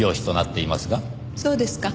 そうですか。